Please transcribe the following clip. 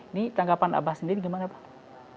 ini tanggapan abah sendiri gimana pak